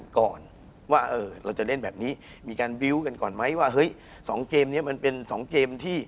คุณผู้ชมบางท่าอาจจะไม่เข้าใจที่พิเตียร์สาร